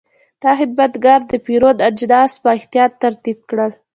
دا خدمتګر د پیرود اجناس په احتیاط ترتیب کړل.